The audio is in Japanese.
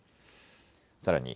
さらに、